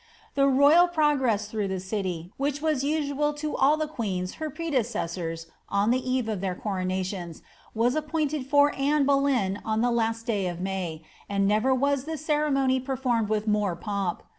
The royal pro grrsR tlirf^ugh the city, which was usual to all the queens her predecet sors on the eve of their coronations, was appointed for Anne Boleyn oD the last day of May, and never was this ceremony performed with rooie pomp.